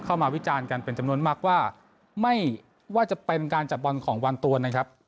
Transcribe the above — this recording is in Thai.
วิจารณ์กันเป็นจำนวนมากว่าไม่ว่าจะเป็นการจับบอลของวางตัวนะครับ